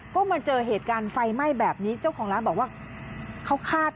พวกมันเจอเหตุการณ์ไฟไหม้แบบนี้เจ้าของร้านบอกว่า